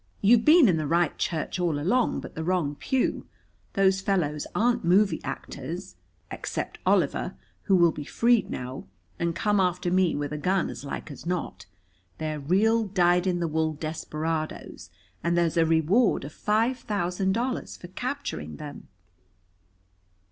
You're been in the right church all along, but the wrong pew. Those fellows aren't movie actors, except Oliver, who will be freed now, and come after me with a gun, as like as not! They're real dyed in the wool desperadoes and there's a reward of five thousand dollars for capturing them."